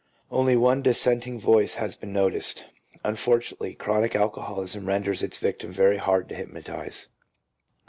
Only one dissenting voice has been noticed —" Un fortunately, chronic alcoholism renders its victim very hard to hypnotize."